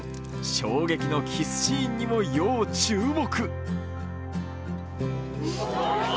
衝撃のキスシーンにも要注目。